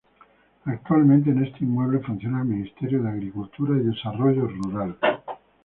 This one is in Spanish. Actualmente en este inmueble funciona el Ministerio de Agricultura y Desarrollo Rural.